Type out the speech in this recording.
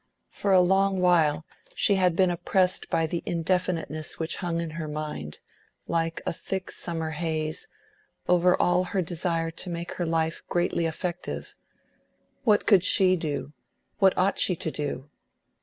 For a long while she had been oppressed by the indefiniteness which hung in her mind, like a thick summer haze, over all her desire to make her life greatly effective. What could she do, what ought she to do?